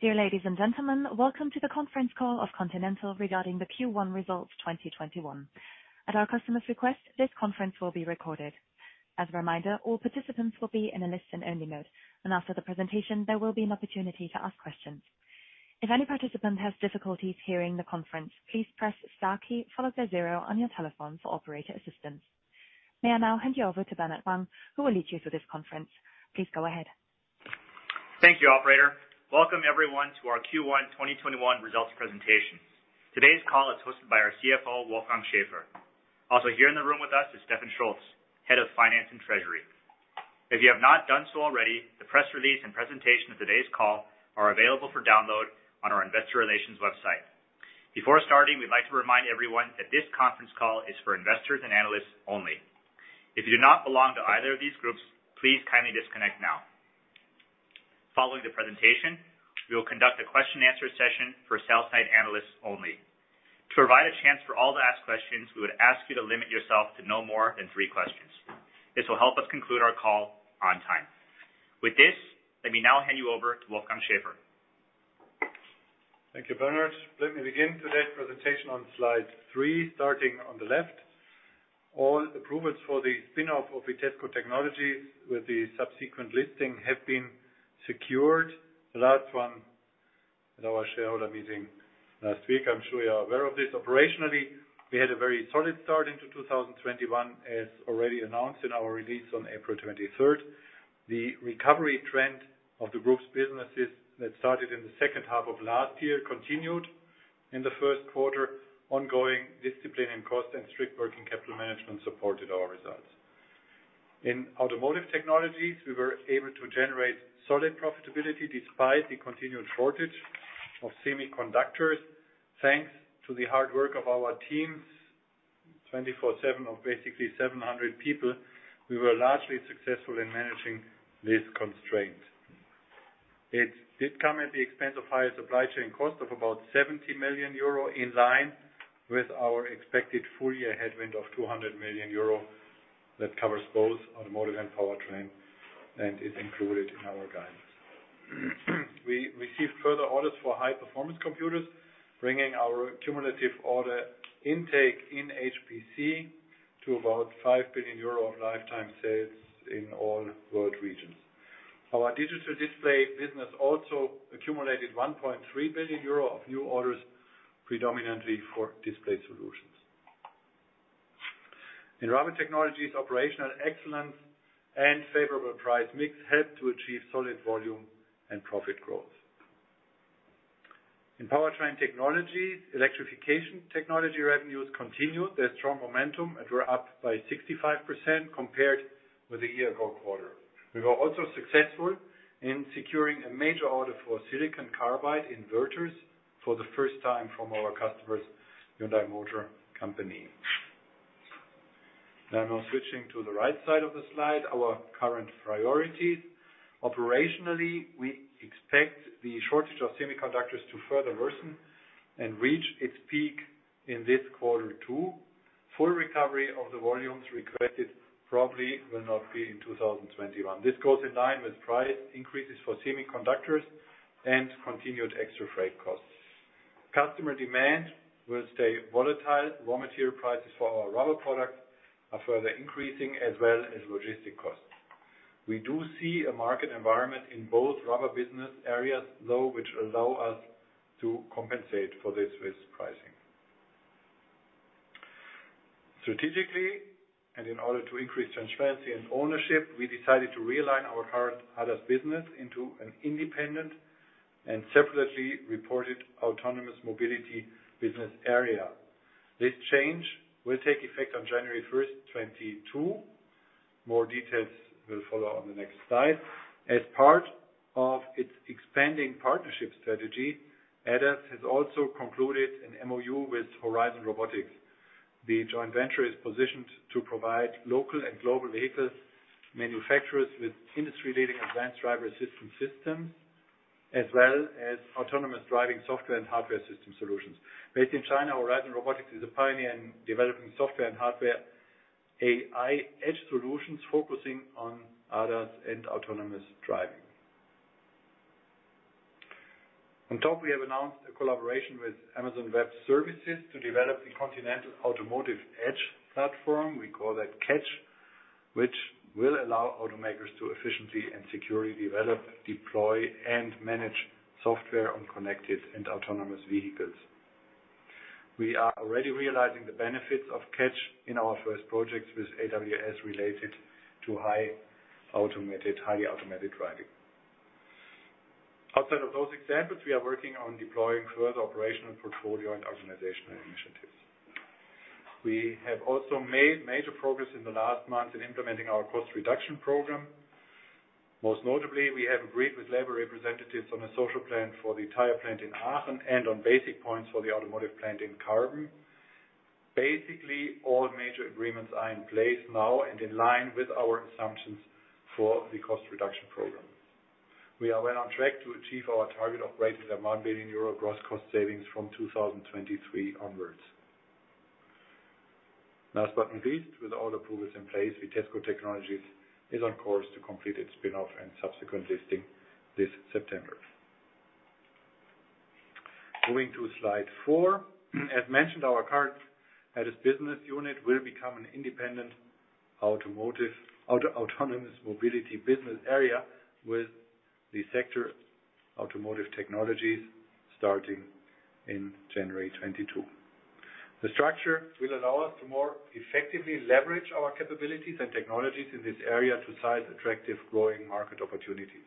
Dear ladies and gentlemen. Welcome to the conference call of Continental regarding the Q1 results 2021. At our customer's request, this conference will be recorded. As a reminder, all participants will be in a listen-only mode, and after the presentation, there will be an opportunity to ask questions. If any participant has difficulties hearing the conference, please press star followed by zero on your telephone for operator assistance. May I now hand you over to Bernard Wang, who will lead you through this conference. Please go ahead. Thank you, operator. Welcome everyone to our Q1 2021 results presentation. Today's call is hosted by our CFO, Wolfgang Schäfer. Also here in the room with us is Stefan Scholz, Head of Finance and Treasury. If you have not done so already, the press release and presentation of today's call are available for download on our Investor Relations website. Before starting, we'd like to remind everyone that this conference call is for investors and analysts only. If you do not belong to either of these groups, please kindly disconnect now. Following the presentation, we will conduct a question and answer session for sell-side analysts only. To provide a chance for all to ask questions, we would ask you to limit yourself to no more than three questions. This will help us conclude our call on time. With this, let me now hand you over to Wolfgang Schäfer. Thank you, Bernard. Let me begin today's presentation on slide three, starting on the left. All approvals for the spin-off of Vitesco Technologies, with the subsequent listing have been secured. The last one at our shareholder meeting last week. I'm sure you are aware of this. Operationally, we had a very solid start into 2021, as already announced in our release on April 23rd. The recovery trend of the group's businesses that started in the second half of last year continued in the first quarter. Ongoing discipline in cost and strict working capital management supported our results. In Automotive Technologies, we were able to generate solid profitability despite the continued shortage of semiconductors. Thanks to the hard work of our teams, 24/7 of basically 700 people, we were largely successful in managing this constraint. It did come at the expense of higher supply chain cost of about 70 million euro, in line with our expected full-year headwind of 200 million euro. That covers both Automotive and Powertrain and is included in our guidance. We received further orders for high-performance computers, bringing our cumulative order intake in HPC to about 5 billion euro of lifetime sales in all world regions. Our digital display business also accumulated 1.3 billion euro of new orders, predominantly for display solutions. In Rubber Technologies, operational excellence and favorable price mix helped to achieve solid volume and profit growth. In Powertrain Technologies, electrification technology revenues continued their strong momentum and were up by 65% compared with a year ago quarter. We were also successful in securing a major order for silicon carbide inverters for the first time from our customers, Hyundai Motor Company. Switching to the right side of the slide, our current priorities. Operationally, we expect the shortage of semiconductors to further worsen and reach its peak in this quarter too. Full recovery of the volumes requested probably will not be in 2021. This goes in line with price increases for semiconductors and continued extra freight costs. Customer demand will stay volatile. Raw material prices for our rubber products are further increasing as well as logistic costs. We do see a market environment in both rubber business areas, though, which allow us to compensate for this with pricing. Strategically, and in order to increase transparency and ownership, we decided to realign our hard ADAS business into an independent and separately reported Autonomous Mobility business area. This change will take effect on January 1st, 2022. More details will follow on the next slide. As part of its expanding partnership strategy, ADAS has also concluded an MoU with Horizon Robotics. The joint venture is positioned to provide local and global vehicle manufacturers with industry-leading Advanced Driver-Assistance Systems, as well as autonomous driving software and hardware system solutions. Based in China, Horizon Robotics is a pioneer in developing software and hardware AI edge solutions, focusing on ADAS and autonomous driving. We have announced a collaboration with Amazon Web Services to develop the Continental Automotive Edge platform, we call that CAEdge, which will allow automakers to efficiently and securely develop, deploy, and manage software on connected and autonomous vehicles. We are already realizing the benefits of CAEdge in our first projects with AWS related to highly automated driving. Outside of those examples, we are working on deploying further operational portfolio and organizational initiatives. We have also made major progress in the last month in implementing our cost reduction program. Most notably, we have agreed with labor representatives on a social plan for the tire plant in Aachen and on basic points for the automotive plant in Karben. Basically, all major agreements are in place now and in line with our assumptions for the cost reduction program. We are well on track to achieve our target of greater than 1 billion euro gross cost savings from 2023 onwards. Last but not least, with all approvals in place, Vitesco Technologies is on course to complete its spin-off and subsequent listing this September. Moving to slide four. As mentioned, our current business unit will become an independent automotive, autonomous mobility business area with the sector Automotive Technologies starting in January 2022. The structure will allow us to more effectively leverage our capabilities and technologies in this area to size attractive growing market opportunities.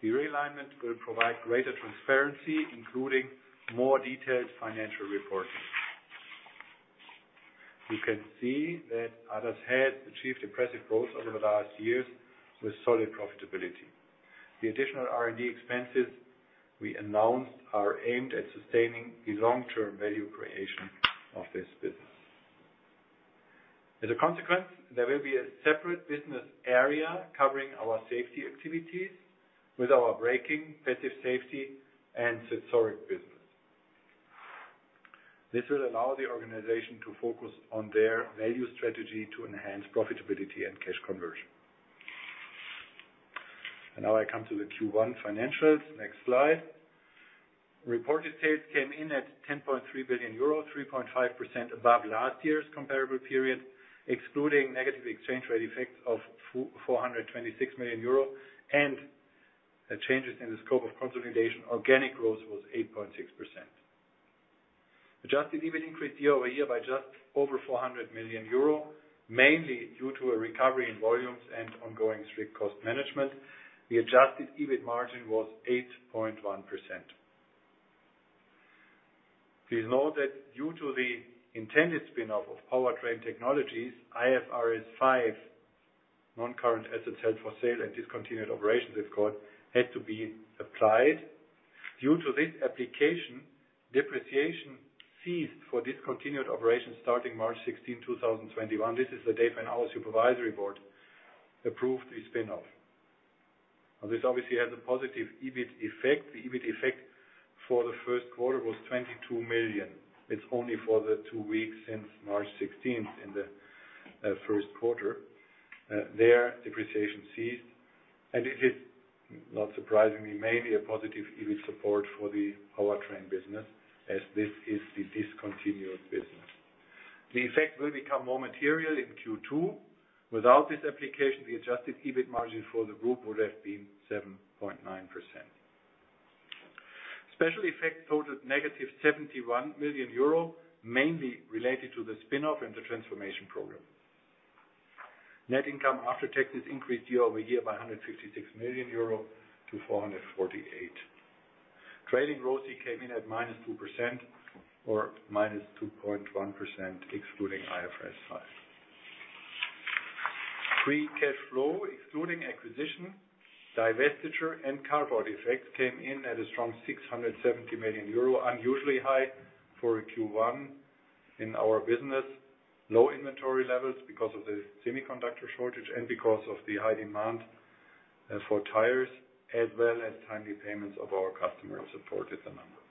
The realignment will provide greater transparency, including more detailed financial reporting. You can see that ADAS has achieved impressive growth over the last years with solid profitability. The additional R&D expenses we announced are aimed at sustaining the long-term value creation of this business. As a consequence, there will be a separate business area covering our safety activities with our braking, Passive Safety, and Sensorics business. This will allow the organization to focus on their value strategy to enhance profitability and cash conversion. Now I come to the Q1 financials. Next slide. Reported sales came in at 10.3 billion euro, 3.5% above last year's comparable period. Excluding negative exchange rate effects of 426 million euro and changes in the scope of consolidation, organic growth was 8.6%. Adjusted EBIT increased year-over-year by just over 400 million euro, mainly due to a recovery in volumes and ongoing strict cost management. The adjusted EBIT margin was 8.1%. Please note that due to the intended spin-off of Vitesco Technologies, IFRS 5, non-current assets held for sale and discontinued operations, it's called, had to be applied. Due to this application, depreciation ceased for discontinued operations starting March 16th, 2021. This is the date when our supervisory board approved the spin-off. This obviously has a positive EBIT effect. The EBIT effect for the first quarter was 22 million. It's only for the two weeks since March 16th in the first quarter. There, depreciation ceased, and it is not surprisingly, mainly a positive EBIT support for the powertrain business, as this is the discontinued business. The effect will become more material in Q2. Without this application, the adjusted EBIT margin for the group would have been 7.9%. Special effects totaled -71 million euro, mainly related to the spin-off and the transformation program. Net income after taxes increased year-over-year by 156 million euro to 448 million. Trading ROCE came in at -2% or -2.1% excluding IFRS 5. Free cash flow, excluding acquisition, divestiture, and carve-out effects, came in at a strong 670 million euro, unusually high for a Q1 in our business. Low inventory levels because of the semiconductor shortage and because of the high demand for tires as well as timely payments of our customers supported the number.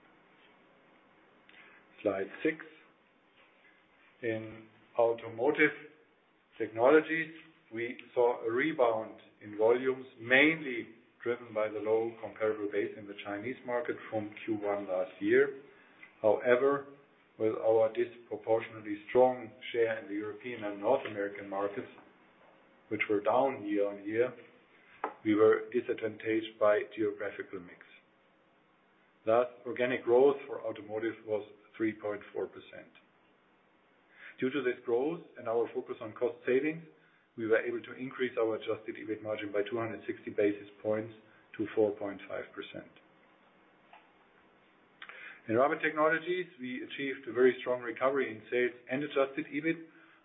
Slide six. In Automotive Technologies, we saw a rebound in volumes, mainly driven by the low comparable base in the Chinese market from Q1 last year. With our disproportionately strong share in the European and North American markets, which were down year-on-year, we were disadvantaged by geographical mix. Organic growth for automotive was 3.4%. Due to this growth and our focus on cost savings, we were able to increase our adjusted EBIT margin by 260 basis points to 4.5%. In Rubber Technologies, we achieved a very strong recovery in sales and adjusted EBIT.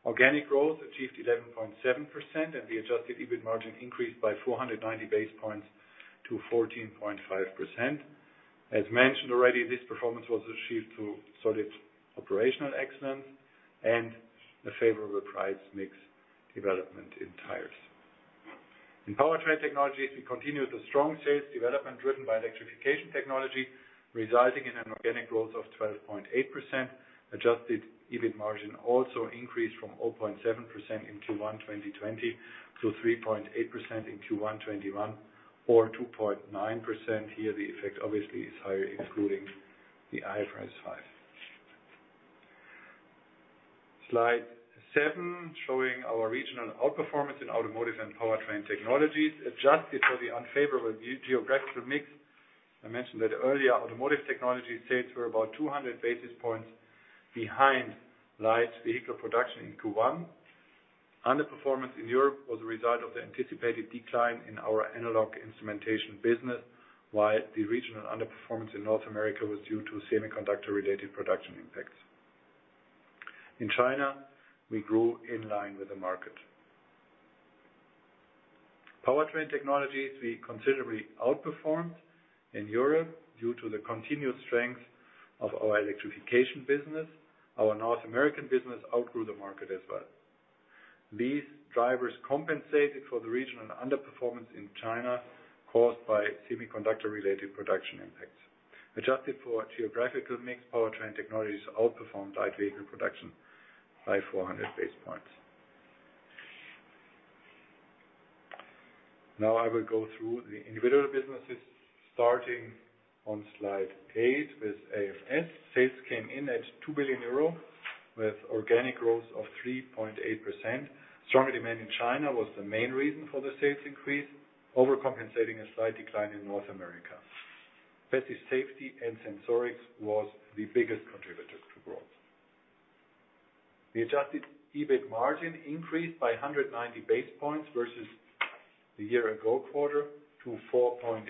Organic growth achieved 11.7%, the adjusted EBIT margin increased by 490 basis points to 14.5%. As mentioned already, this performance was achieved through solid operational excellence and a favorable price mix development in tires. In Powertrain Technologies, we continued the strong sales development driven by electrification technology, resulting in an organic growth of 12.8%. Adjusted EBIT margin also increased from 0.7% in Q1 2020 to 3.8% in Q1 2021, or 2.9% here the effect obviously is higher excluding the IFRS 5. Slide seven, showing our regional outperformance in Automotive Technologies and Powertrain Technologies adjusted for the unfavorable geographical mix. I mentioned that earlier Automotive Technologies sales were about 200 basis points behind light vehicle production in Q1. Underperformance in Europe was a result of the anticipated decline in our analog instrumentation business, while the regional underperformance in North America was due to semiconductor-related production impacts. In China, we grew in line with the market. Powertrain Technologies, we considerably outperformed in Europe due to the continued strength of our electrification business. Our North American business outgrew the market as well. These drivers compensated for the regional underperformance in China caused by semiconductor-related production impacts. Adjusted for geographical mix, Powertrain Technologies outperformed light vehicle production by 400 basis points. Now I will go through the individual businesses, starting on Slide eight with AMS. Sales came in at 2 billion euro with organic growth of 3.8%. Stronger demand in China was the main reason for the sales increase, overcompensating a slight decline in North America. Passive Safety and Sensorics was the biggest contributor to growth. The adjusted EBIT margin increased by 190 basis points versus the year-ago quarter to 4.8%.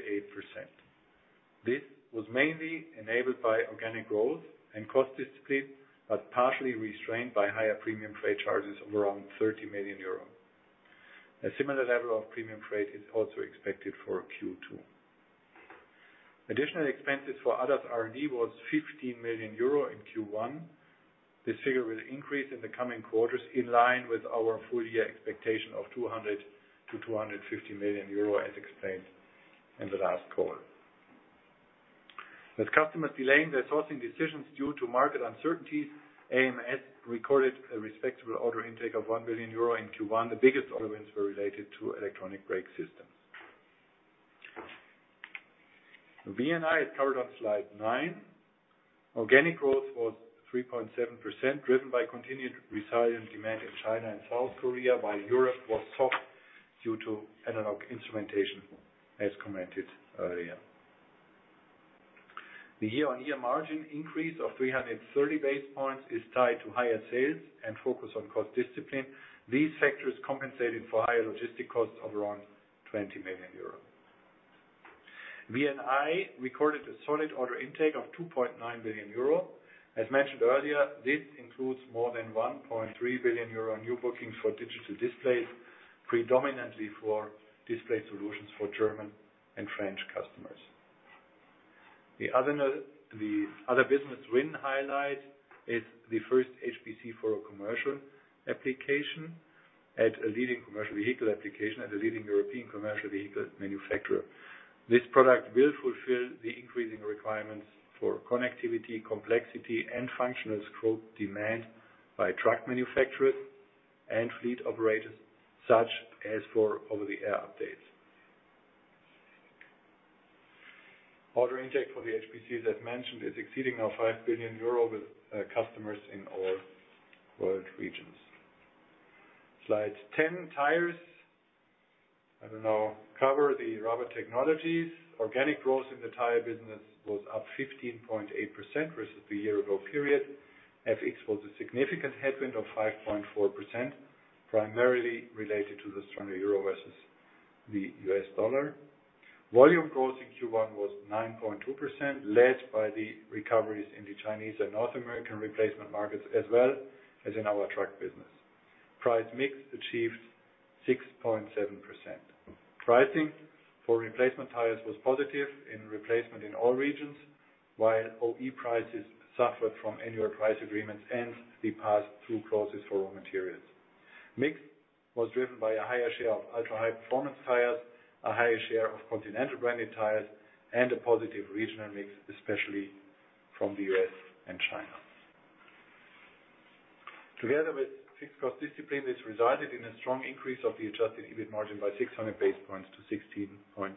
This was mainly enabled by organic growth and cost discipline, but partially restrained by higher premium freight charges of around 30 million euro. A similar level of premium freight is also expected for Q2. Additional expenses for ADAS R&D was 15 million euro in Q1. This figure will increase in the coming quarters, in line with our full-year expectation of 200 million-250 million euro, as explained in the last call. With customers delaying their sourcing decisions due to market uncertainties, AMS recorded a respectable order intake of 1 billion euro in Q1. The biggest order wins were related to electronic brake systems. VNI is covered on slide nine. Organic growth was 3.7%, driven by continued resilient demand in China and South Korea, while Europe was soft due to analog instrumentation, as commented earlier. The year-on-year margin increase of 330 basis points is tied to higher sales and focus on cost discipline. These factors compensated for higher logistic costs of around 20 million euros. VNI recorded a solid order intake of 2.9 billion euro. As mentioned earlier, this includes more than 1.3 billion euro new bookings for digital displays, predominantly for display solutions for German and French customers. The other business win highlight is the first HPC for a commercial application at a leading European commercial vehicle manufacturer. This product will fulfill the increasing requirements for connectivity, complexity and functional scope demand by truck manufacturers and fleet operators, such as for over-the-air updates. Order intake for the HPC, as mentioned, is exceeding now 5 billion euro with customers in all world regions. Slide 10. Tires. I will now cover the Rubber Technologies. Organic growth in the tire business was up 15.8% versus the year-ago period. FX was a significant headwind of 5.4%, primarily related to the stronger euro versus the U.S. dollar. Volume growth in Q1 was 9.2%, led by the recoveries in the Chinese and North American replacement markets, as well as in our truck business. Price mix achieved 6.7%. Pricing for replacement tires was positive in replacement in all regions, while OE prices suffered from annual price agreements and the pass-through clauses for raw materials. Mix was driven by a higher share of ultra-high performance tires, a higher share of Continental-branded tires, and a positive regional mix, especially from the U.S. and China. Together with fixed cost discipline, this resulted in a strong increase of the adjusted EBIT margin by 600 basis points to 16.6%.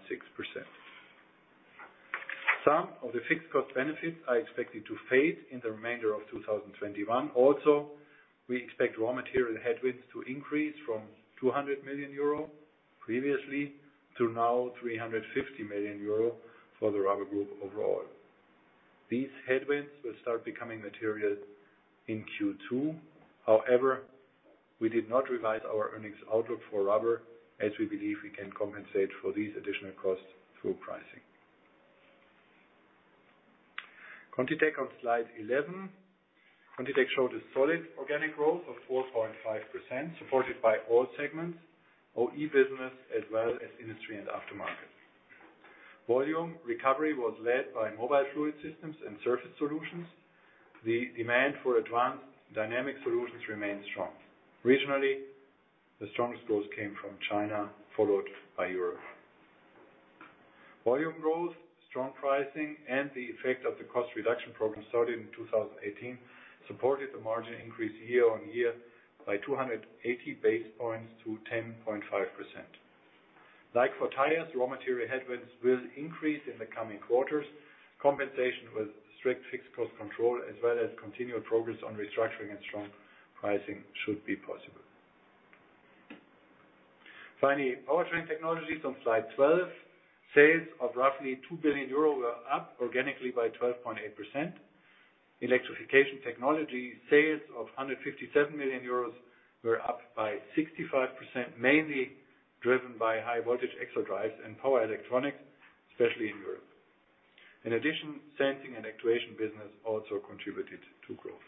Some of the fixed cost benefits are expected to fade in the remainder of 2021. We expect raw material headwinds to increase from 200 million euro previously to now 350 million euro for the rubber group overall. These headwinds will start becoming material in Q2. We did not revise our earnings outlook for rubber, as we believe we can compensate for these additional costs through pricing. ContiTech on slide 11. ContiTech showed a solid organic growth of 4.5%, supported by all segments, OE business, as well as industry and aftermarket. Volume recovery was led by Mobile Fluid Systems and Surface Solutions. The demand for Advanced Dynamic Solutions remained strong. Regionally, the strongest growth came from China, followed by Europe. Volume growth, strong pricing, and the effect of the cost reduction program started in 2018, supported the margin increase year-on-year by 280 basis points to 10.5%. Like for tires, raw material headwinds will increase in the coming quarters. Compensation with strict fixed cost control as well as continued progress on restructuring and strong pricing should be possible. Finally, powertrain technologies on Slide 12. Sales of roughly 2 billion euro were up organically by 12.8%. Electrification technology sales of 157 million euros were up by 65%, mainly driven by high-voltage axle drives and power electronics, especially in Europe. Sensing and Actuation business also contributed to growth.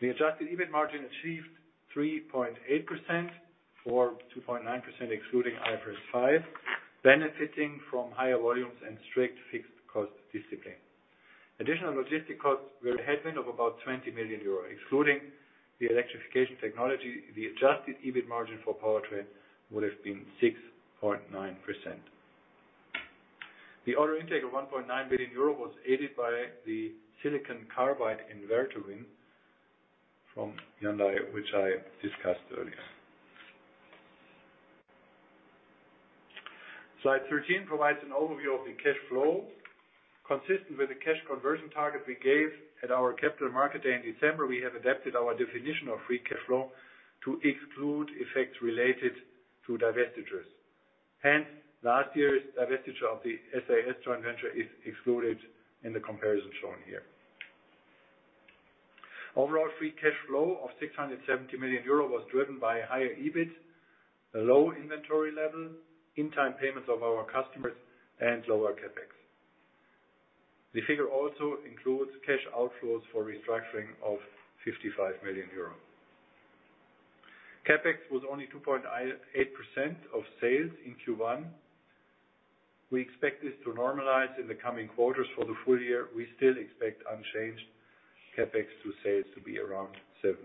The adjusted EBIT margin achieved 3.8%, or 2.9%, excluding IFRS 5, benefiting from higher volumes and strict fixed cost discipline. Additional logistic costs were a headwind of about 20 million euros, excluding the electrification technology, the adjusted EBIT margin for powertrain would have been 6.9%. The order intake of 1.9 billion euro was aided by the silicon carbide inverter win from Hyundai, which I discussed earlier. Slide 13 provides an overview of the cash flow. Consistent with the cash conversion target we gave at our capital market day in December, we have adapted our definition of free cash flow to exclude effects related to divestitures. Hence, last year's divestiture of the SAS joint venture is excluded in the comparison shown here. Overall free cash flow of 670 million euro was driven by higher EBIT, a low inventory level, in-time payments of our customers, and lower CapEx. The figure also includes cash outflows for restructuring of 55 million euros. CapEx was only 2.8% of sales in Q1. We expect this to normalize in the coming quarters. For the full year, we still expect unchanged CapEx to sales to be around 7%.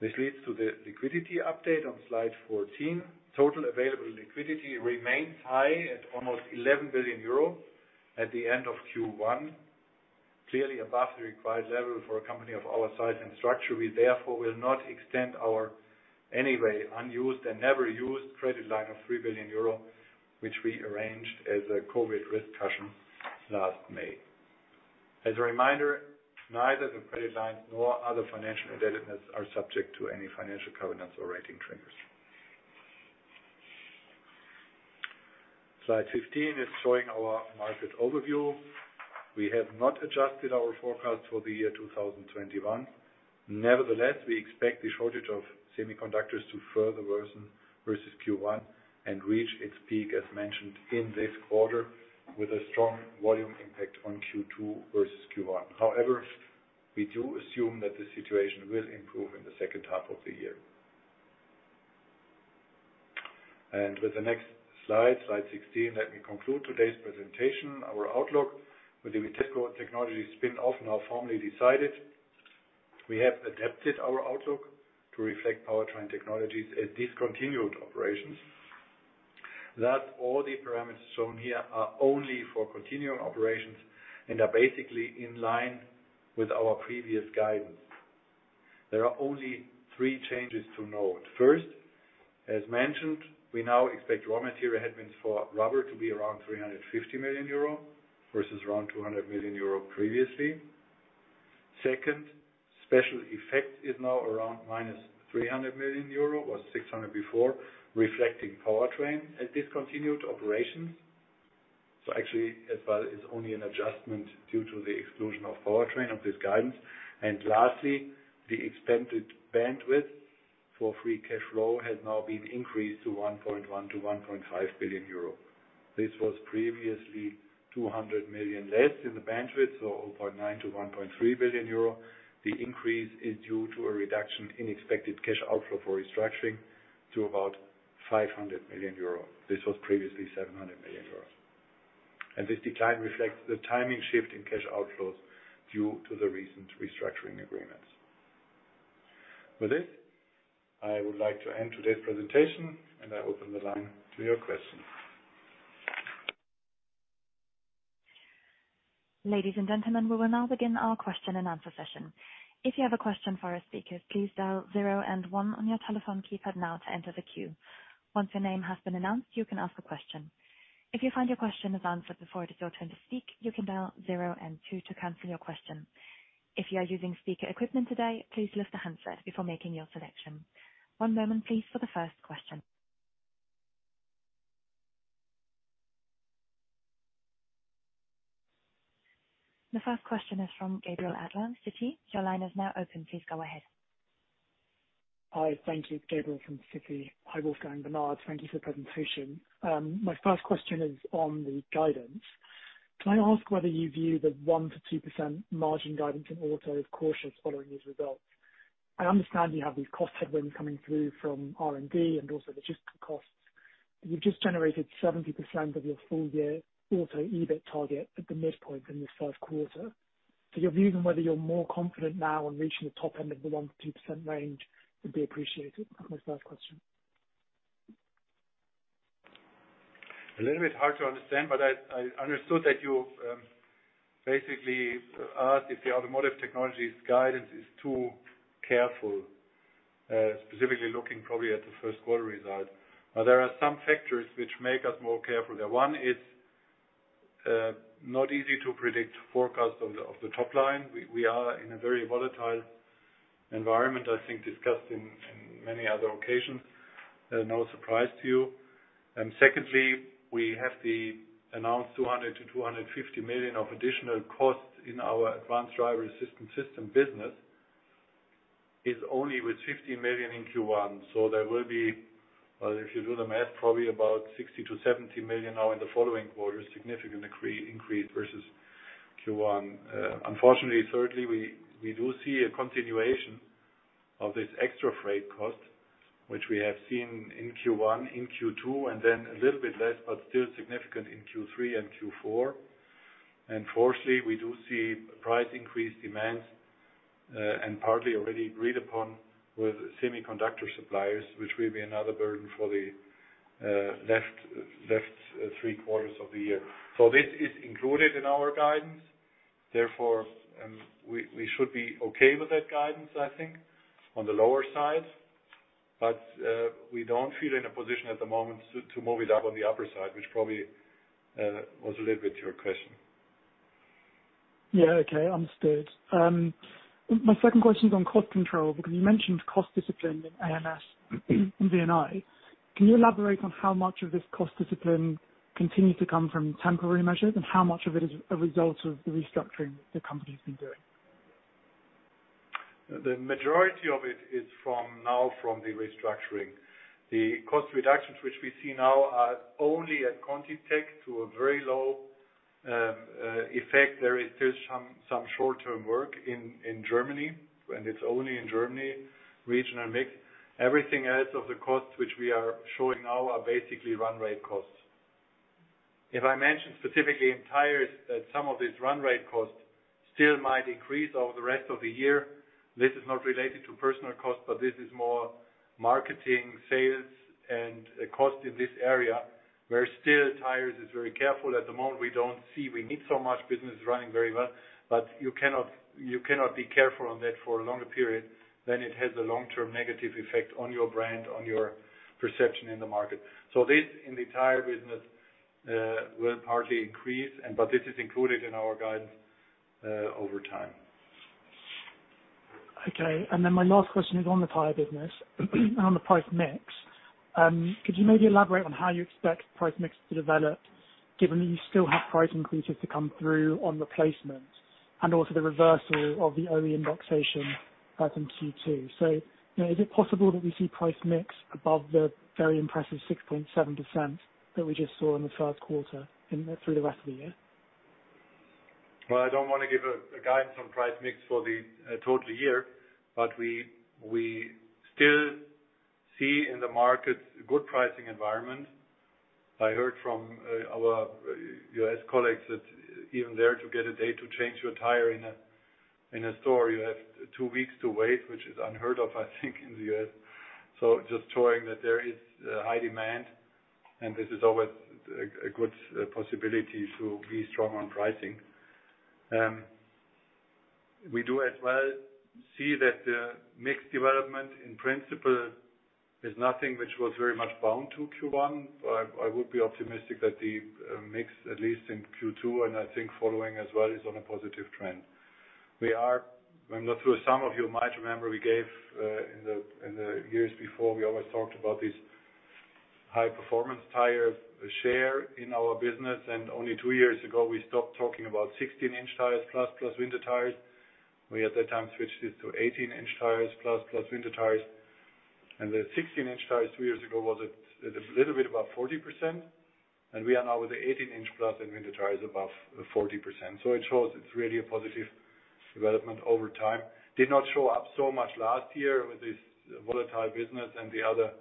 This leads to the liquidity update on slide 14. Total available liquidity remains high at almost 11 billion euro at the end of Q1. Clearly above the required level for a company of our size and structure. We therefore will not extend our anyway unused and never used credit line of 3 billion euro, which we arranged as a COVID risk cushion last May. As a reminder, neither the credit lines nor other financial indebtedness are subject to any financial covenants or rating triggers. Slide 15 is showing our market overview. We have not adjusted our forecast for the year 2021. Nevertheless, we expect the shortage of semiconductors to further worsen versus Q1 and reach its peak, as mentioned, in this quarter, with a strong volume impact on Q2 versus Q1. However, we do assume that the situation will improve in the second half of the year. With the next slide 16, let me conclude today's presentation. Our outlook for the Vitesco Technologies spin-off now formally decided. We have adapted our outlook to reflect powertrain technologies as discontinued operations. Thus, all the parameters shown here are only for continuing operations and are basically in line with our previous guidance. There are only three changes to note. First, as mentioned, we now expect raw material headwinds for rubber to be around 350 million euro versus around 200 million euro previously. Second, special effects is now around minus 300 million euro, was 600 million before, reflecting powertrain as discontinued operations. Actually, it's only an adjustment due to the exclusion of powertrain of this guidance. Lastly, the expanded bandwidth for free cash flow has now been increased to 1.1 billion-1.5 billion euro. This was previously 200 million less in the bandwidth, so 0.9 billion-1.3 billion euro. The increase is due to a reduction in expected cash outflow for restructuring to about 500 million euros. This was previously 700 million euros. This decline reflects the timing shift in cash outflows due to the recent restructuring agreements. With this, I would like to end today's presentation, and I open the line to your questions. One moment, please, for the first question. The first question is from Gabriel Adler, Citi. Your line is now open. Please go ahead. Hi. Thank you. Gabriel from Citi. Hi, Wolfgang and Bernard. Thank you for the presentation. My first question is on the guidance. Can I ask whether you view the 1%-2% margin guidance in Auto as cautious following these results? I understand you have these cost headwinds coming through from R&D and also logistic costs. You've just generated 70% of your full year Auto EBIT target at the midpoint in this first quarter. Your view on whether you're more confident now on reaching the top end of the 1%-2% range would be appreciated. That's my first question. A little bit hard to understand, but I understood that you basically asked if the Automotive Technologies guidance is too careful, specifically looking probably at the first quarter result. There are some factors which make us more careful there. One, it's not easy to predict forecast of the top line. We are in a very volatile environment, I think, discussed in many other occasions. No surprise to you. Secondly, we have the announced 200 million to 250 million of additional costs in our Advanced Driver-Assistance Systems business, is only with 50 million in Q1. If you do the math, probably about 60 million-70 million now in the following quarter, significant increase versus Q1. Unfortunately, thirdly, we do see a continuation of this extra freight cost, which we have seen in Q1, in Q2, and then a little bit less, but still significant in Q3 and Q4. Fourthly, we do see price increase demands, and partly already agreed upon with semiconductor suppliers, which will be another burden for the left three quarters of the year. This is included in our guidance. Therefore, we should be okay with that guidance, I think, on the lower side. We don't feel in a position at the moment to move it up on the upper side, which probably was a little bit your question. Yeah. Okay. Understood. My second question is on cost control. You mentioned cost discipline in AMS, in VNI. Can you elaborate on how much of this cost discipline continues to come from temporary measures and how much of it is a result of the restructuring that the company's been doing? The majority of it is from now from the restructuring. The cost reductions, which we see now are only at ContiTech to a very low effect. There is still some short-term work in Germany, and it's only in Germany regional mix. Everything else of the costs which we are showing now are basically run rate costs. If I mention specifically in tires that some of these run rate costs still might increase over the rest of the year, this is not related to personal cost, but this is more marketing, sales, and cost in this area, where still tires is very careful. At the moment, we don't see we need so much business running very well, but you cannot be careful on that for a longer period, then it has a long-term negative effect on your brand, on your perception in the market. This, in the tire business, will partly increase, but this is included in our guidance over time. Okay. My last question is on the tire business and on the price mix. Could you maybe elaborate on how you expect price mix to develop given that you still have price increases to come through on replacements and also the reversal of the OE indexation as in Q2? Is it possible that we see price mix above the very impressive 6.7% that we just saw in the first quarter and through the rest of the year? I don't want to give a guidance on price mix for the total year, but we still see in the market good pricing environment. I heard from our U.S. colleagues that even there to get a day to change your tire in a store, you have two weeks to wait, which is unheard of, I think, in the U.S. Just showing that there is high demand, and this is always a good possibility to be strong on pricing. We do as well see that the mix development in principle is nothing which was very much bound to Q1. I would be optimistic that the mix, at least in Q2, and I think following as well, is on a positive trend. I'm not sure, some of you might remember we gave, in the years before, we always talked about these high performance tires share in our business, only two years ago, we stopped talking about 16-inch tires plus winter tires. We, at that time, switched it to 18-inch tires plus winter tires. The 16-inch tires three years ago was a little bit above 40%, and we are now with the 18-inch plus and winter tires above 40%. It shows it's really a positive development over time. Did not show up so much last year with this volatile business and the other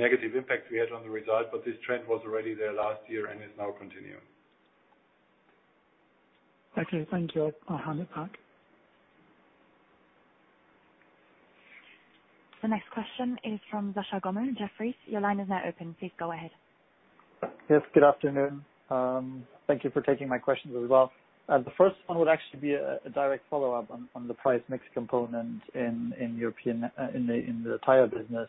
negative impact we had on the result, this trend was already there last year and is now continuing. Okay. Thank you. I'll hand it back. The next question is from Sascha Gommel, Jefferies. Your line is now open. Please go ahead. Yes, good afternoon. Thank you for taking my questions as well. The first one would actually be a direct follow-up on the price mix component in the tire business.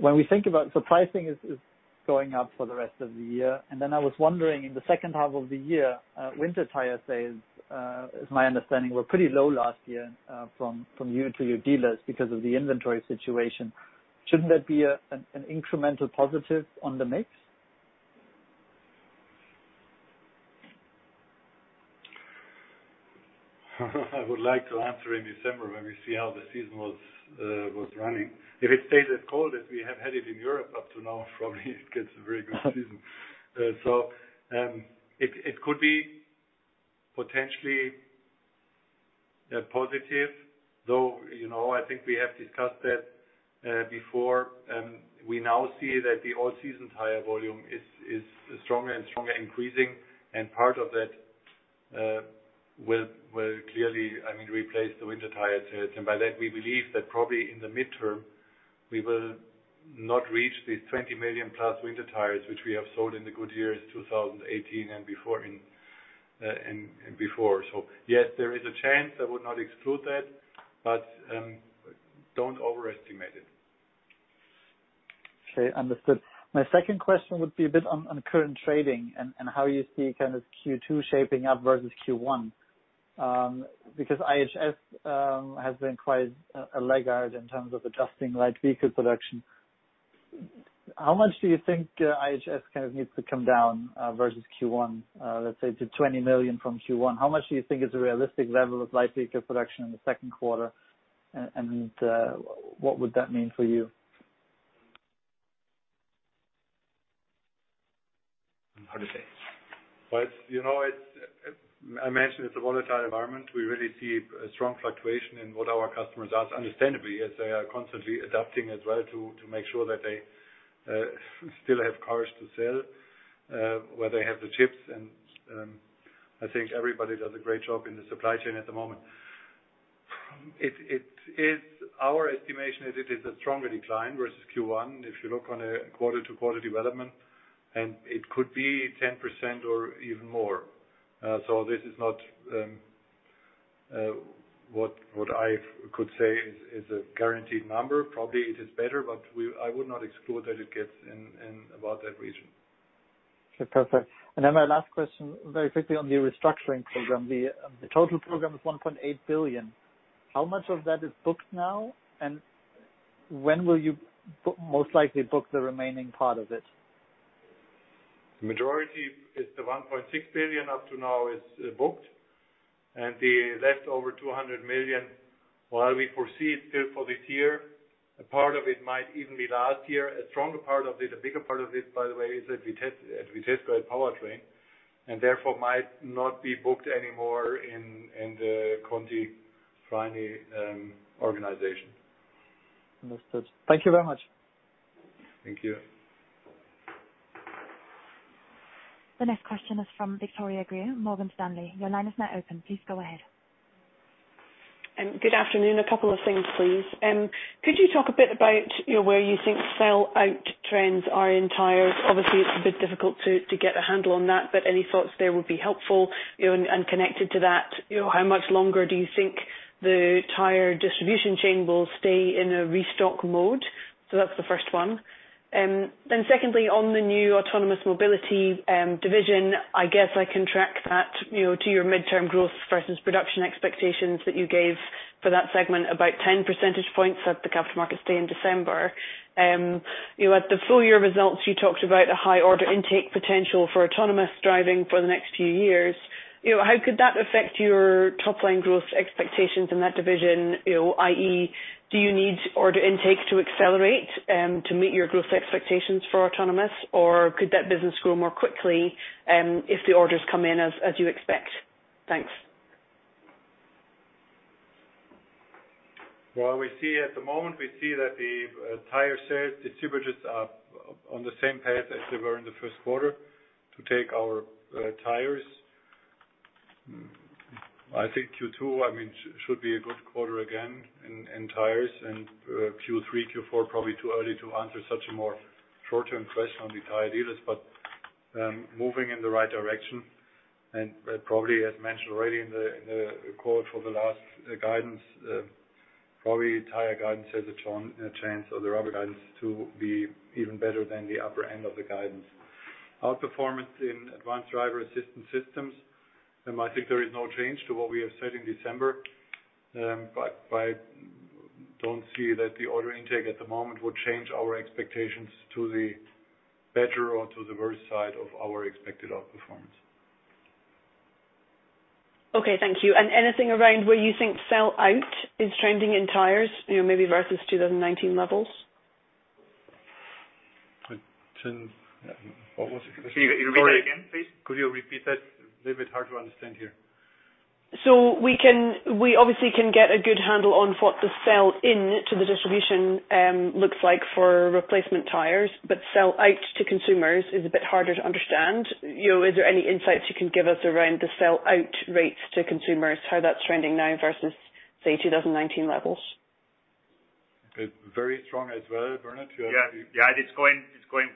Pricing is going up for the rest of the year. I was wondering in the second half of the year, winter tire sales, is my understanding, were pretty low last year from you to your dealers because of the inventory situation. Shouldn't that be an incremental positive on the mix? I would like to answer in December when we see how the season was running. If it stays as cold as we have had it in Europe up to now, probably it gets a very good season. It could be potentially positive, though, I think we have discussed that before. We now see that the all-season tire volume is stronger and stronger increasing, and part of that will clearly, I mean, replace the winter tire sales. By that, we believe that probably in the midterm, we will not reach these 20 million+ winter tires, which we have sold in the good years, 2018 and before. Yes, there is a chance, I would not exclude that, but don't overestimate it. Okay. Understood. My second question would be a bit on current trading and how you see Q2 shaping up versus Q1. IHS has been quite a laggard in terms of adjusting light vehicle production. How much do you think IHS needs to come down versus Q1, let’s say to 20 million from Q1? How much do you think is a realistic level of light vehicle production in the second quarter? What would that mean for you? How to say? I mentioned it's a volatile environment. We really see a strong fluctuation in what our customers ask, understandably, as they are constantly adapting as well to make sure that they still have cars to sell, where they have the chips, and I think everybody does a great job in the supply chain at the moment. Our estimation is it is a stronger decline versus Q1, if you look on a quarter-to-quarter development, and it could be 10% or even more. This is not what I could say is a guaranteed number. Probably it is better, but I would not exclude that it gets in about that region. Okay, perfect. My last question, very quickly on the restructuring program. The total program is 1.8 billion. How much of that is booked now, and when will you most likely book the remaining part of it? The majority is the 1.6 billion up to now is booked. The left over 200 million, while we foresee it still for this year, a part of it might even be last year. A stronger part of it, a bigger part of it, by the way, is at Vitesco and powertrain, and therefore might not be booked anymore in the Continental remaining organization. Understood. Thank you very much. Thank you. The next question is from Victoria Greer, Morgan Stanley. Your line is now open. Please go ahead. Good afternoon. A couple of things, please. Could you talk a bit about where you think sell-out trends are in tires? Obviously, it's a bit difficult to get a handle on that, but any thoughts there would be helpful. Connected to that, how much longer do you think the tire distribution chain will stay in a restock mode? That's the first one. Secondly, on the new Autonomous Mobility division, I guess I can track that to your midterm growth versus production expectations that you gave for that segment, about 10 percentage points at the Capital Markets Day in December. At the full-year results, you talked about a high order intake potential for autonomous driving for the next few years. How could that affect your top-line growth expectations in that division? I.e., do you need order intake to accelerate to meet your growth expectations for autonomous, or could that business grow more quickly if the orders come in as you expect? Thanks. Well, at the moment, we see that the tire sales distributors are on the same path as they were in the first quarter to take our tires. I think Q2 should be a good quarter again in tires, and Q3, Q4, probably too early to answer such a more short-term question on the tire dealers. Moving in the right direction, and probably as mentioned already in the call for the last guidance, probably tire guidance has a chance, or the rubber guidance, to be even better than the upper end of the guidance. Out performance in Advanced Driver-Assistance Systems, I think there is no change to what we have said in December. I don't see that the order intake at the moment would change our expectations to the better or to the worse side of our expected out performance. Okay, thank you. Anything around where you think sell out is trending in tires, maybe versus 2019 levels? What was the question? Could you repeat that again, please? Could you repeat that? A little bit hard to understand here. We obviously can get a good handle on what the sell in to the distribution looks like for replacement tires, but sell out to consumers is a bit harder to understand. Is there any insights you can give us around the sell out rates to consumers, how that's trending now versus, say, 2019 levels? Very strong as well. Bernard, you have. Yeah, it's going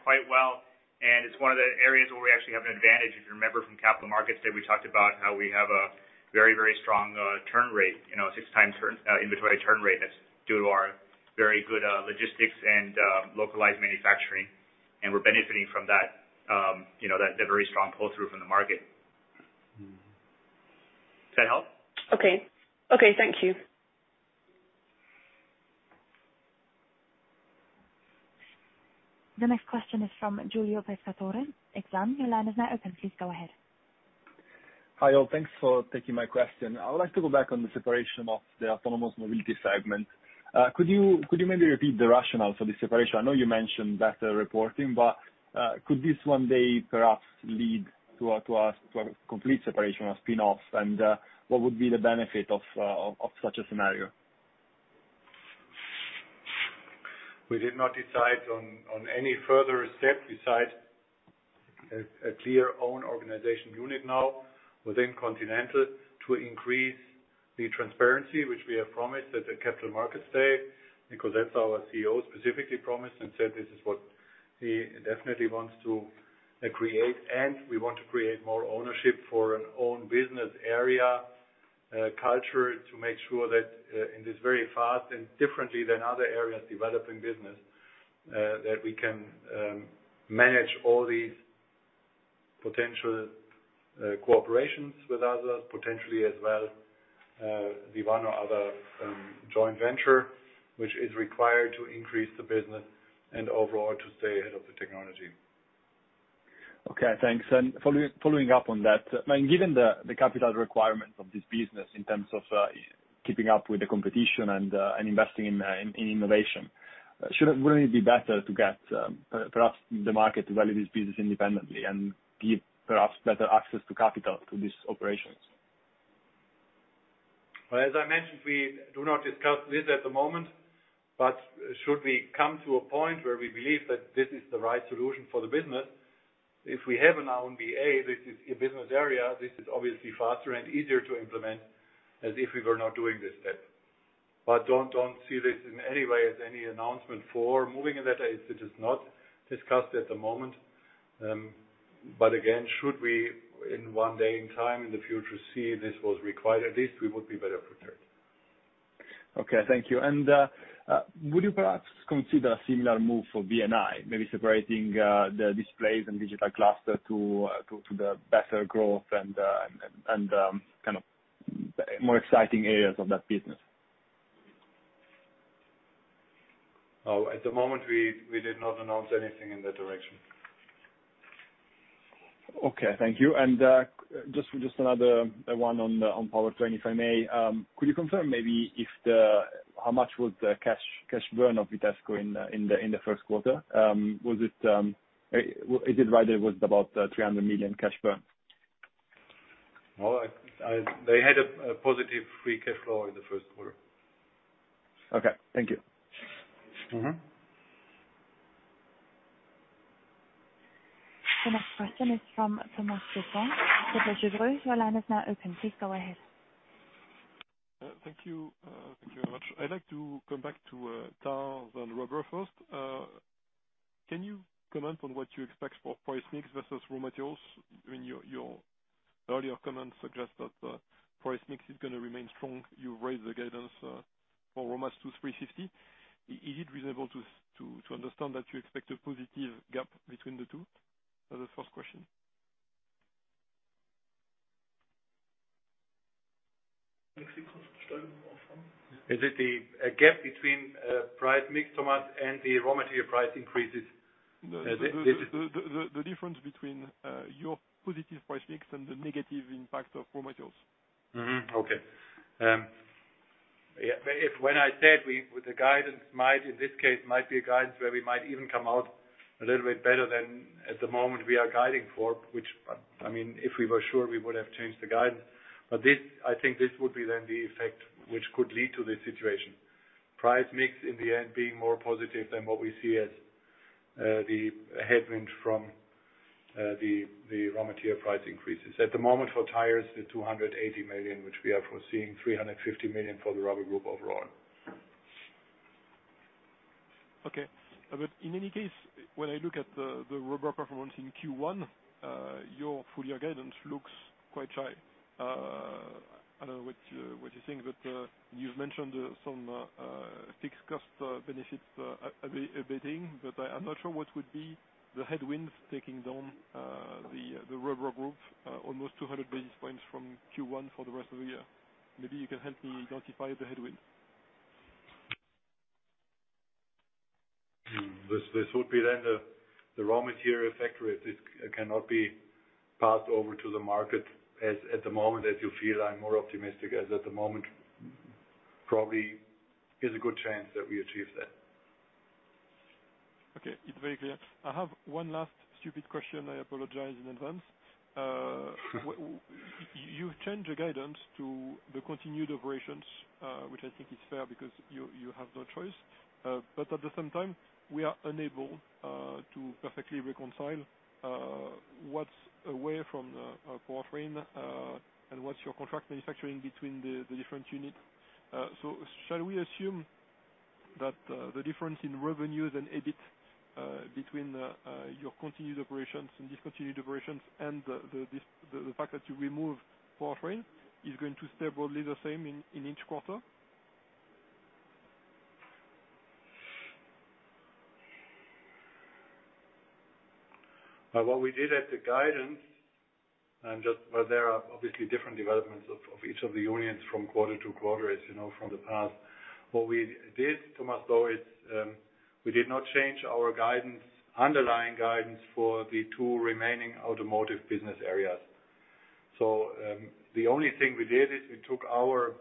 quite well, and it's one of the areas where we actually have an advantage. If you remember from Capital Markets Day, we talked about how we have a very strong turn rate, 6x inventory turn rate. That's due to our very good logistics and localized manufacturing, and we're benefiting from that, the very strong pull-through from the market. Does that help? Okay. Thank you. The next question is from Giulio Pescatore, Exane. Your line is now open. Please go ahead. Hi, all. Thanks for taking my question. I would like to go back on the separation of the Autonomous Mobility segment. Could you maybe repeat the rationale for the separation? I know you mentioned better reporting, but could this one day perhaps lead to a complete separation or spin-off? What would be the benefit of such a scenario? We did not decide on any further step besides a clear own organization unit now within Continental to increase the transparency which we have promised at the Capital Markets Day, because that's our CEO specifically promised and said this is what he definitely wants to create. We want to create more ownership for an own business area culture to make sure that in this very fast and differently than other areas developing business, that we can manage all these potential cooperations with others, potentially as well the one or other joint venture which is required to increase the business and overall to stay ahead of the technology. Okay, thanks. Following up on that, given the capital requirement of this business in terms of keeping up with the competition and investing in innovation, shouldn't it be better to get perhaps the market to value this business independently and give perhaps better access to capital to these operations? Well, as I mentioned, we do not discuss this at the moment, but should we come to a point where we believe that this is the right solution for the business, if we have an own BA, this is a business area, this is obviously faster and easier to implement as if we were not doing this step. Don't see this in any way as any announcement for moving in that. It is not discussed at the moment. Again, should we in one day in time in the future see this was required, at least we would be better prepared. Okay, thank you. Would you perhaps consider a similar move for VNI, maybe separating the displays and digital cluster to the better growth and more exciting areas of that business? At the moment, we did not announce anything in that direction. Okay, thank you. Just another one on powertrain, if I may. Could you confirm maybe how much was the cash burn of Vitesco in the first quarter? Is it right it was about 300 million cash burn? No, they had a positive free cash flow in the first quarter. Okay. Thank you. The next question is from Thomas Dupont. Mr. Dupont, your line is now open. Please go ahead. Thank you. Thank you very much. I'd like to come back to tires and rubber first. Can you comment on what you expect for price mix versus raw materials? Your earlier comments suggest that the price mix is going to remain strong. You raised the guidance for raw mats to 350. Is it reasonable to understand that you expect a positive gap between the two? That's the first question. Is it the gap between price mix, Thomas, and the raw material price increases? The difference between your positive price mix and the negative impact of raw materials. Okay. When I said the guidance might, in this case, might be a guidance where we might even come out a little bit better than at the moment we are guiding for, which if we were sure, we would have changed the guidance. I think this would be then the effect which could lead to this situation. Price mix in the end being more positive than what we see as the headwind from the raw material price increases. At the moment for tires, the 280 million, which we are foreseeing 350 million for the rubber group overall. Okay. In any case, when I look at the Rubber performance in Q1, your full year guidance looks quite high. I don't know what you think, you've mentioned some fixed cost benefits abating, I'm not sure what would be the headwinds taking down the Rubber Group, almost 200 basis points from Q1 for the rest of the year. Maybe you can help me identify the headwinds. This would be the raw material effect, if it cannot be passed over to the market, as at the moment as you feel I'm more optimistic as at the moment, probably is a good chance that we achieve that. Okay. It is very clear. I have one last stupid question, I apologize in advance. You have changed the guidance to the continued operations, which I think is fair because you have no choice. At the same time, we are unable to perfectly reconcile what is away from the powertrain, and what is your contract manufacturing between the different units. Shall we assume that the difference in revenues and EBIT between your continued operations and discontinued operations and the fact that you remove powertrain is going to stay broadly the same in each quarter? What we did at the guidance, and just where there are obviously different developments of each of the units from quarter-to-quarter, as you know from the past. What we did, Thomas, though, is we did not change our underlying guidance for the two remaining automotive business areas. The only thing we did is we took our,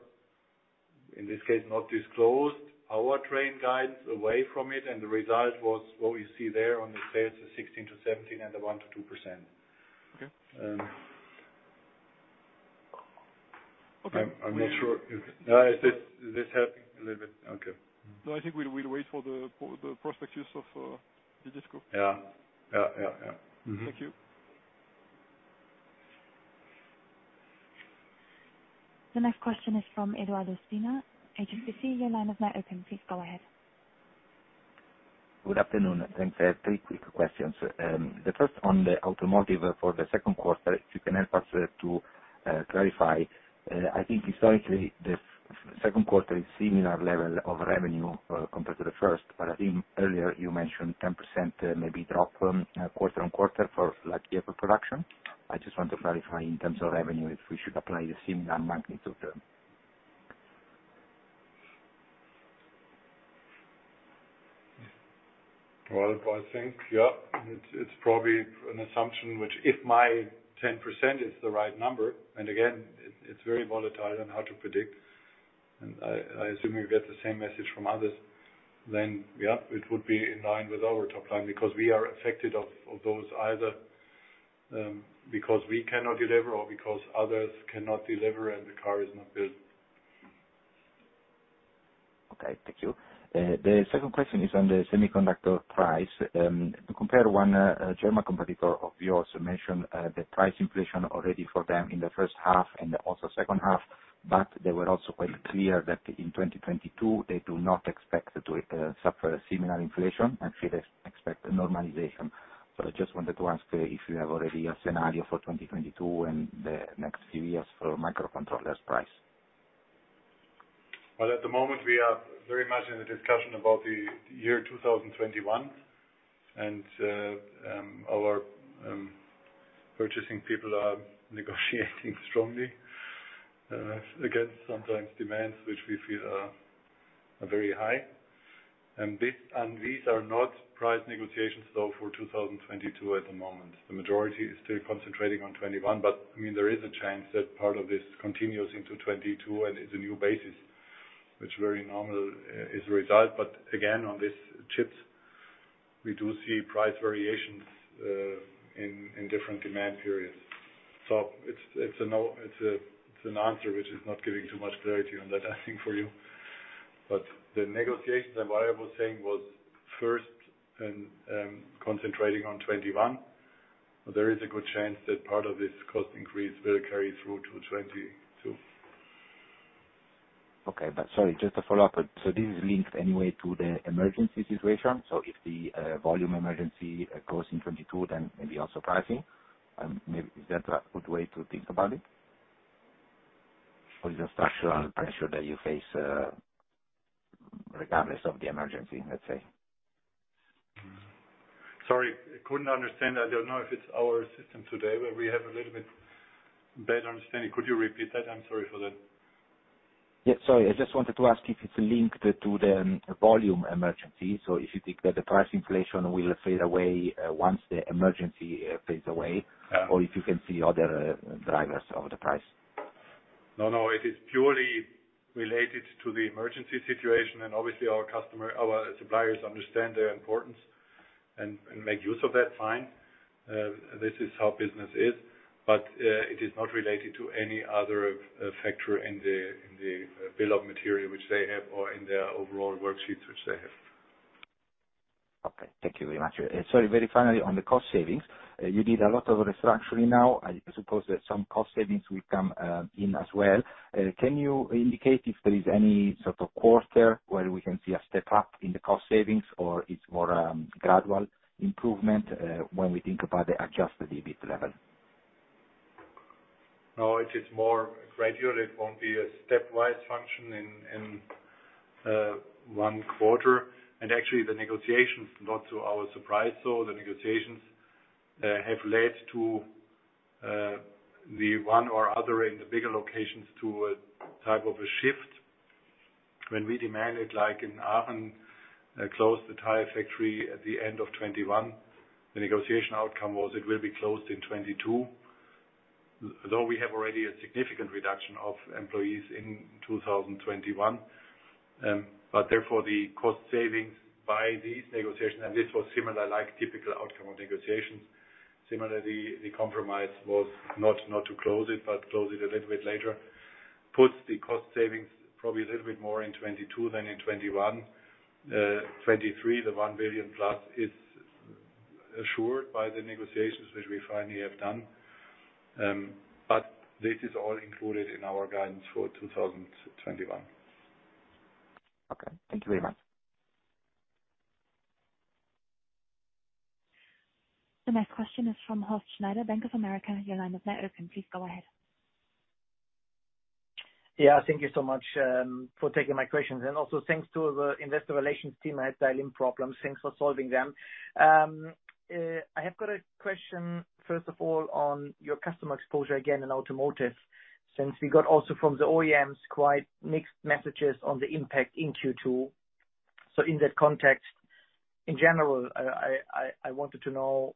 in this case, not disclosed our Vitesco Technologies guidance away from it, and the result was what we see there on the page, the 16%-17% and the 1%-2%. Okay. Is this helping a little bit? Okay. No, I think we'll wait for the prospectus of Vitesco. Yeah. Thank you. The next question is from Edoardo Spina, HSBC. Your line is now open. Please go ahead. Good afternoon. Thanks. I have three quick questions. The first on the automotive for the second quarter, if you can help us to clarify. I think historically, the second quarter is similar level of revenue compared to the first, I think earlier you mentioned 10% maybe drop quarter-on-quarter for light vehicle production. I just want to clarify in terms of revenue, if we should apply a similar magnitude there. Well, I think, yes, it is probably an assumption, which if my 10% is the right number, and again, it is very volatile and hard to predict, and I assume you get the same message from others, then yes, it would be in line with our top line, because we are affected of those either because we cannot deliver or because others cannot deliver and the car is not built. Okay. Thank you. The second question is on the semiconductor price. To compare one German competitor of yours mentioned the price inflation already for them in the first half and also second half. They were also quite clear that in 2022, they do not expect to suffer a similar inflation, actually they expect a normalization. I just wanted to ask if you have already a scenario for 2022 and the next few years for microcontrollers price. Well, at the moment, we are very much in a discussion about the year 2021. Our purchasing people are negotiating strongly against sometimes demands which we feel are very high. These are not price negotiations though for 2022 at the moment. The majority is still concentrating on 2021. There is a chance that part of this continues into 2022, and it's a new basis, which very normal as a result. Again, on these chips, we do see price variations in different demand periods. It's an answer which is not giving too much clarity on that I think for you. The negotiations and what I was saying was first concentrating on 2021. There is a good chance that part of this cost increase will carry through to 2022. Okay. Sorry, just a follow-up. This is linked anyway to the emergency situation? If the volume emergency goes in 2022, then maybe also pricing? Is that a good way to think about it? Is it structural pressure that you face regardless of the emergency, let's say? Sorry, couldn't understand. I don't know if it's our system today, but we have a little bit bad understanding. Could you repeat that? I'm sorry for that. Yeah, sorry. I just wanted to ask if it's linked to the volume emergency. If you think that the price inflation will fade away once the emergency fades away, or if you can see other drivers of the price. No, it is purely related to the emergency situation, and obviously our suppliers understand the importance and make use of that, fine. This is how business is. It is not related to any other factor in the bill of material which they have or in their overall worksheets which they have. Okay. Thank you very much. Sorry, very finally, on the cost savings. You did a lot of restructuring now. I suppose that some cost savings will come in as well. Can you indicate if there is any sort of quarter where we can see a step up in the cost savings, or it's more a gradual improvement, when we think about the adjusted EBIT level? No, it is more gradual. It won't be a stepwise function in one quarter. Actually, the negotiations, not to our surprise though, the negotiations have led to the one or other in the bigger locations to a type of a shift. When we demanded like in Aachen, close the tire factory at the end of 2021, the negotiation outcome was it will be closed in 2022. We have already a significant reduction of employees in 2021. Therefore, the cost savings by these negotiations, and this was similar like typical outcome of negotiations. Similarly, the compromise was not to close it, but close it a little bit later. Puts the cost savings probably a little bit more in 2022 than in 2021. 2023, the 1 billion plus is assured by the negotiations, which we finally have done. This is all included in our guidance for 2021. Okay. Thank you very much. The next question is from Horst Schneider, Bank of America. Your line is now open. Please go ahead. Thank you so much for taking my questions. Also thanks to the Continental Investor Relations team. I had dialing problems. Thanks for solving them. I have got a question, first of all, on your customer exposure again in automotive, since we got also from the OEMs quite mixed messages on the impact in Q2. In that context, in general, I wanted to know,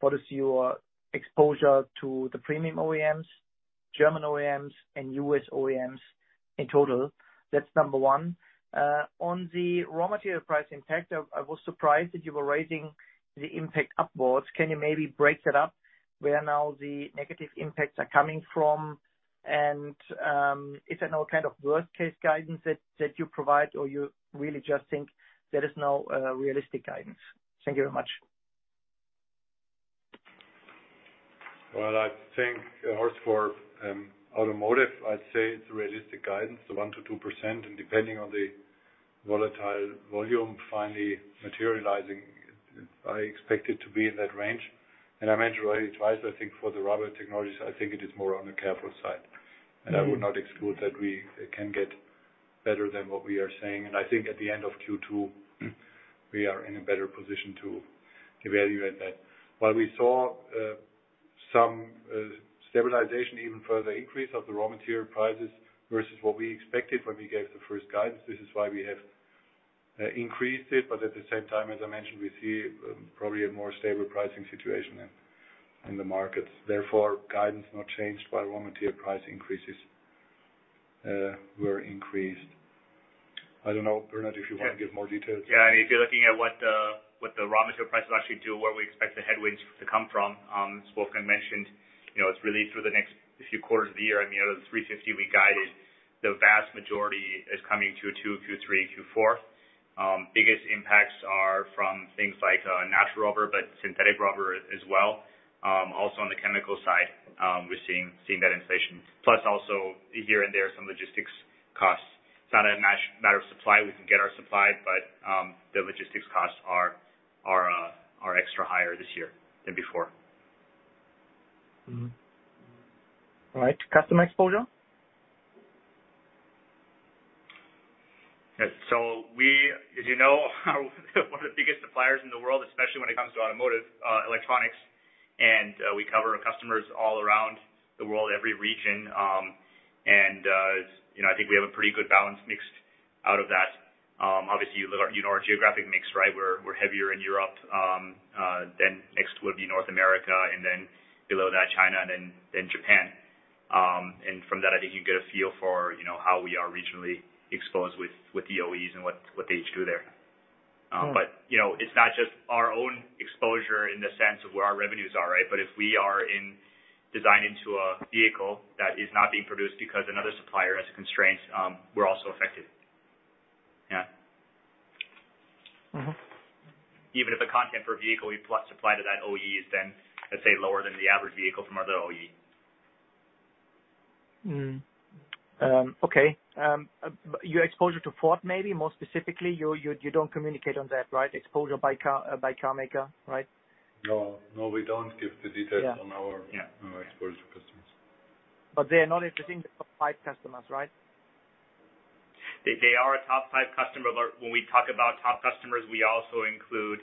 what is your exposure to the premium OEMs, German OEMs, and U.S. OEMs in total? That's number one. On the raw material price impact, I was surprised that you were raising the impact upwards. Can you maybe break that up where now the negative impacts are coming from? Is that now kind of worst case guidance that you provide, or you really just think that is now a realistic guidance? Thank you very much. Well, I think, Horst, for automotive, I'd say it's a realistic guidance, the 1%-2%, depending on the volatile volume finally materializing, I expect it to be in that range. I mentioned already twice, I think for the Rubber Technologies, I think it is more on the careful side. I would not exclude that we can get better than what we are saying. I think at the end of Q2, we are in a better position to evaluate that. What we saw some stabilization, even further increase of the raw material prices versus what we expected when we gave the first guidance. This is why we have increased it, at the same time, as I mentioned, we see probably a more stable pricing situation in the markets. Guidance not changed by raw material price increases were increased. I don't know, Bernard, if you want to give more details. Yeah. If you're looking at what the raw material prices actually do, where we expect the headwinds to come from, as Wolfgang mentioned, it's really through the next few quarters of the year. Of the 350 we guided, the vast majority is coming Q2, Q3, Q4. Biggest impacts are from things like natural rubber, but synthetic rubber as well. Also on the chemical side, we're seeing that inflation. Plus also, here and there, some logistics costs. It's not a matter of supply. We can get our supply, but the logistics costs are extra higher this year than before. All right. Customer exposure? We, as you know, are one of the biggest suppliers in the world, especially when it comes to automotive electronics, and we cover customers all around the world, every region. I think we have a pretty good balance mixed out of that. Obviously, you know our geographic mix. We're heavier in Europe, then next would be North America, and then below that, China, and then Japan. From that, I think you can get a feel for how we are regionally exposed with the OEs and what they each do there. It's not just our own exposure in the sense of where our revenues are. If we are in designing to a vehicle that is not being produced because another supplier has constraints, we're also affected. Even if the content per vehicle we supply to that OE is then, let's say, lower than the average vehicle from other OEs. Okay. Your exposure to Ford, maybe more specifically, you don't communicate on that, right? Exposure by car maker. No, we don't give the details on our exposure to customers. They are not within the top five customers, right? They are a top five customer, when we talk about top customers, we also include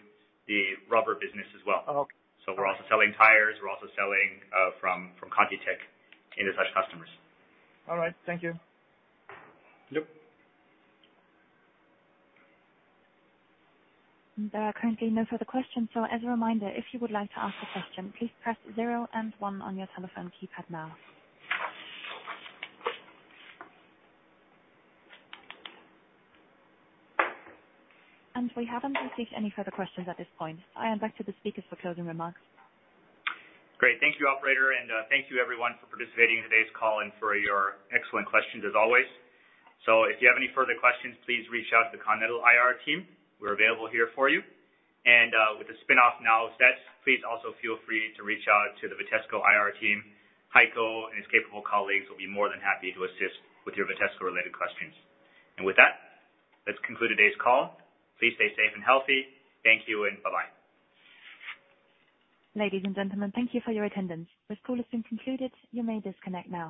the rubber business as well. Okay. We're also selling tires. We're also selling from ContiTech into such customers. All right. Thank you. Yep. There are currently no further questions. As a reminder, if you would like to ask a question, please press zero and one on your telephone keypad now. We haven't received any further questions at this point. I hand back to the speakers for closing remarks. Thank you, operator, and thank you everyone for participating in today's call and for your excellent questions as always. If you have any further questions, please reach out to the Continental IR team. We're available here for you. With the spin-off now set, please also feel free to reach out to the Vitesco IR team. Heiko and his capable colleagues will be more than happy to assist with your Vitesco-related questions. With that, let's conclude today's call. Please stay safe and healthy. Thank you and bye-bye. Ladies and gentlemen, thank you for your attendance. This call has been concluded. You may disconnect now.